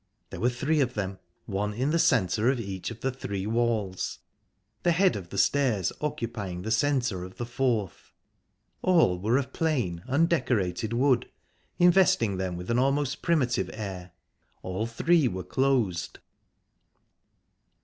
There were three of them; one in the centre of each of the three walls, the head of the stairs occupying the centre of the fourth. All were of plain, undecorated wood, investing them with an almost primitive air. All three were closed.